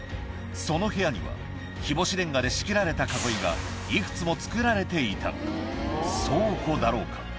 その部屋には日干しレンガで仕切られた囲いがいくつもつくられていた倉庫だろうか？